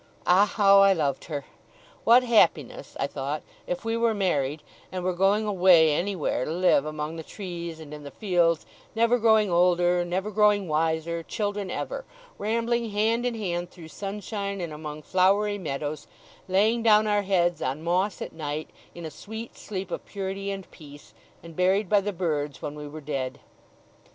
Ah, how I loved her! What happiness (I thought) if we were married, and were going away anywhere to live among the trees and in the fields, never growing older, never growing wiser, children ever, rambling hand in hand through sunshine and among flowery meadows, laying down our heads on moss at night, in a sweet sleep of purity and peace, and buried by the birds when we were dead!